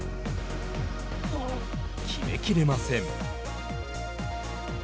決めきれません。